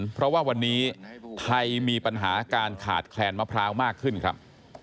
เพราะว่าวันนี้ไทยมีปัญหาการขาดแคลนมะพร้าวมากขึ้นครับ